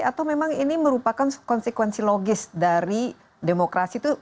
atau memang ini merupakan konsekuensi logis dari demokrasi itu